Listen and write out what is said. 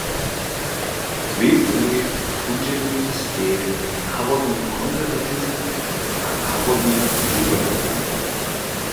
Dwě hłownej prudźeni stej narodny konserwatizm a narodny liberalizm.